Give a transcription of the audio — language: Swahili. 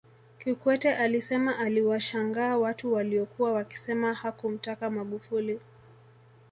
Kikwete alisema aliwashangaa watu waliokuwa wakisema hakumtaka Magufuli